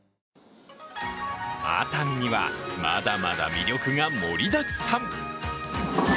熱海にはまだまだ魅力が盛りだくさん。